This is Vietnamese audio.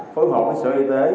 phối hợp với sở y tế